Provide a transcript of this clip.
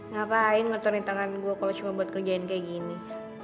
ngapain ngetonin tangan gue kalau cuma buat kerjain kayak gini